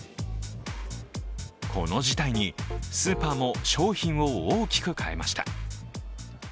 この事態にスーパーも商品を大きく変えました。